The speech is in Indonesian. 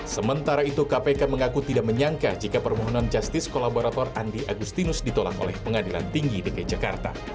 sementara itu kpk mengaku tidak menyangka jika permohonan justice kolaborator andi agustinus ditolak oleh pengadilan tinggi dki jakarta